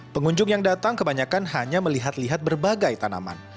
pengunjung yang datang kebanyakan hanya melihat lihat berbagai tanaman